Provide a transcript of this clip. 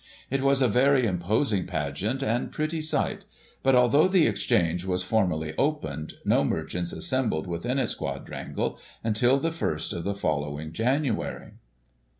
It was a very im posing pageant and pretty sight ; but, although the Exchange was formally opened, no merchants assembled within its quad rangle until the first of the following January.